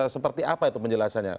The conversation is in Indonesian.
seperti apa itu penjelasannya